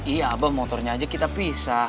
iya abang motornya aja kita pisah